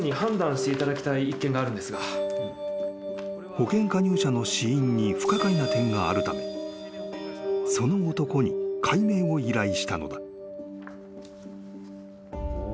［保険加入者の死因に不可解な点があるためその男に解明を依頼したのだ］